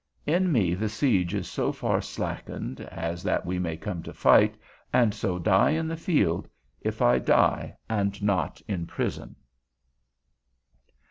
In me the siege is so far slackened, as that we may come to fight, and so die in the field, if I die, and not in a prison.